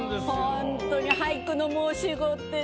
ほんとに俳句の申し子ってね